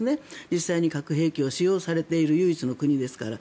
実際に核兵器を使用されている唯一の国ですから。